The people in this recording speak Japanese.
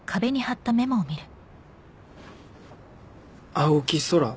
青木空